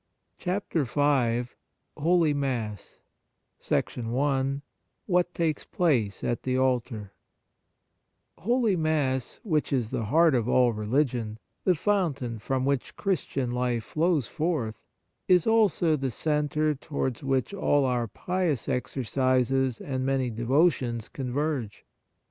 66 CHAPTER V HOLY MASS I What takes Place at the Altar HOLY MASS, which is the heart of all religion, the fountain from which Christian life flows forth, is also the centre towards which all our pious exercises and many devotions converge.